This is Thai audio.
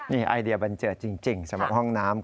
นี่ไอเดียบันเจิดจริงสำหรับห้องน้ำ